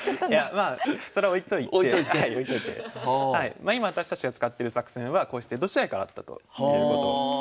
まあ今私たちが使ってる作戦はこうして江戸時代からあったということ。